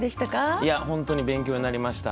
いや本当に勉強になりました。